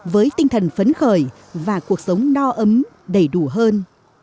với tinh thần phấn khởi và cuộc sống no ấm đầy đủ hơn